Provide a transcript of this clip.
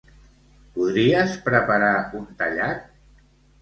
Podries preparar un tallat?